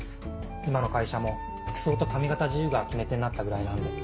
今の会社も服装と髪形自由が決め手になったぐらいなんで。